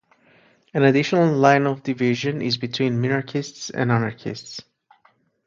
An additional line of division is between minarchists and anarchists.